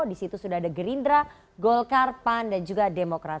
di situ sudah ada gerindra golkar pan dan juga demokrat